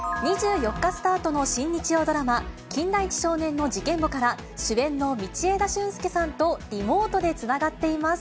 ２４日スタートの新日曜ドラマ、金田一少年の事件簿から、主演の道枝駿佑さんとリモートでつながっています。